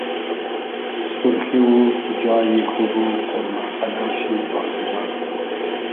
سورخی و جای خوب و قۉرمۂ پئلۆ شی بازی داد